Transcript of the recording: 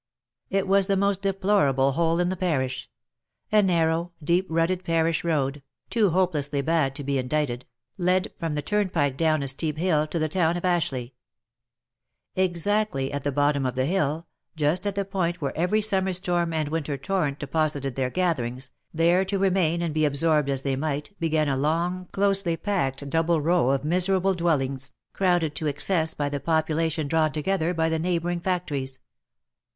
It was the most deplorable hole in the parish — a narrow, deep rutted parish road (too hopelessly bad to be indicted), led from the turnpike down a steep hill to the town of Ashleigh. Exactly at the bottom of the hill, just at the point where every summer storm and winter torrent deposited their gatherings, there to remain and be absorbed as they might, began a long, closely packed double row of miserable dwellings, crowded to excess by the population drawn together by the neighbouring factories.